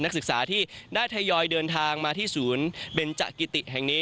นักศึกษาที่ได้ทยอยเดินทางมาที่ศูนย์เบนจักิติแห่งนี้